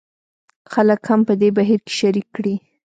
خلک هم په دې بهیر کې شریک کړي.